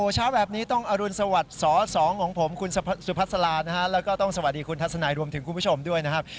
เช้าแบบนี้ต้องอรุณสวัสดิ์สอสองของผมคุณสุพัสลานะฮะแล้วก็ต้องสวัสดีคุณทัศนายรวมถึงคุณผู้ชมด้วยนะครับ